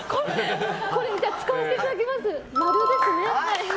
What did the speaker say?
使わせていただきます。